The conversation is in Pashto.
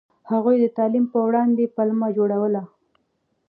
هغوی د تعلیم په وړاندې پلمه جوړوله.